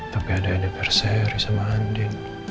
tapi ada yang di perseri sama andi